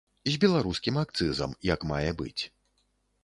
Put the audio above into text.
З беларускім акцызам, як мае быць.